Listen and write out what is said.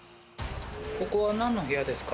ここは何の部屋ですか？